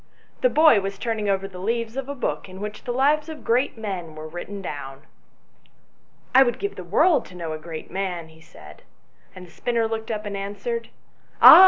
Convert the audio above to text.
The boy was turning over the leaves of a book in which the lives of great men were written down. " I would give the world to know a great man," he said, and the spinner looked up and answered "Ah!